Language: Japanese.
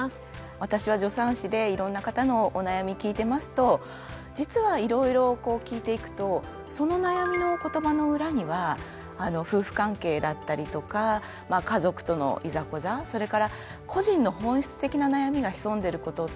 私は助産師でいろんな方のお悩み聞いてますと実はいろいろこう聞いていくとその悩みの言葉の裏には夫婦関係だったりとか家族とのいざこざそれから個人の本質的な悩みが潜んでることって結構あるんですよね。